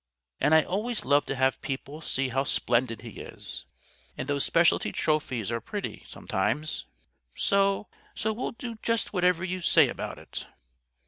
And I always love to have people see how splendid he is. And those Specialty Trophies are pretty, sometimes. So so we'll do just whatever you say about it."